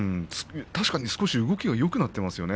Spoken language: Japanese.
確かに動きがよくなっていますね。